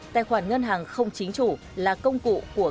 tài khoản ngân hàng không chính chủ là công cụ của các đối tượng